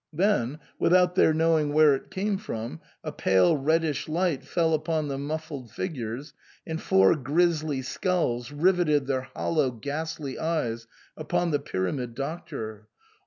Then, without their knowing where it came from, a pale reddish light fell upon the muffled figures, and four grisly skulls riveted their hollow ghastly eyes upon the Pyramid Doctor.